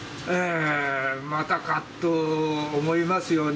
またかと思いますよね。